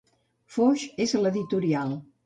Fox és l'editorial.